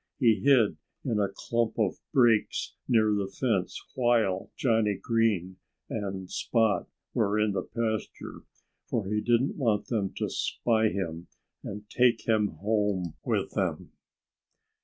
He hid in a clump of brakes near the fence while Johnnie Green and Spot were in the pasture, for he didn't want them to spy him and take him home with them.